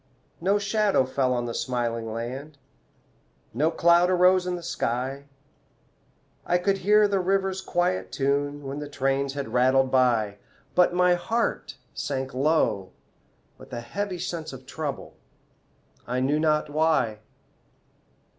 No shadow fell on the smiling land, No cloud arose in the sky; I could hear the river's quiet tune When the trains had rattled by; But my heart sank low with a heavy sense Of trouble, I knew not why.